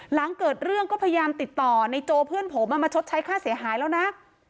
หลังเกิดเรื่องก็พยายามติดต่อในโจเพื่อนผมมาชดใช้ค่าเสียหายแล้วนะ